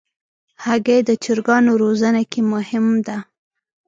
هګۍ د چرګانو روزنه کې مهم ده.